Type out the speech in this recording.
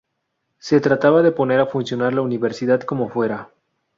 Se trataba de poner a funcionar la universidad como fuera.